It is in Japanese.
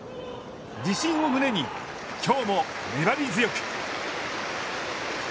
自信を胸に、きょうも粘り強く。